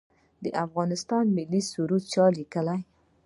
د افغانستان ملي سرود چا لیکلی؟